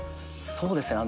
そうですね